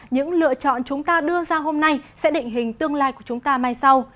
những lựa chọn chúng ta đưa ra hôm nay sẽ định hình tương lai của chúng ta mai sau